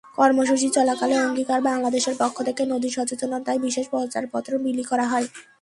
কর্মসূচি চলাকালে অঙ্গীকার বাংলাদেশের পক্ষ থেকে নদী-সচেতনতায় বিশেষ প্রচারপত্র বিলি করা হয়।